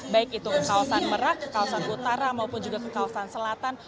baik itu ke kawasan merak ke kawasan utara maupun juga ke kawasan selatan